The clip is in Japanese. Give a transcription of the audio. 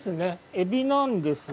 エビなんですが。